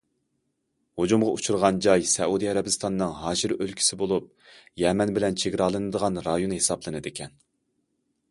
ھۇجۇمغا ئۇچرىغان جاي سەئۇدى ئەرەبىستاننىڭ ھاشىر ئۆلكىسى بولۇپ، يەمەن بىلەن چېگرالىنىدىغان رايون ھېسابلىنىدىكەن.